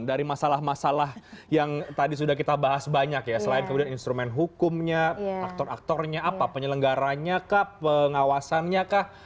dari masalah masalah yang tadi sudah kita bahas banyak ya selain kemudian instrumen hukumnya aktor aktornya apa penyelenggaranya kah pengawasannya kah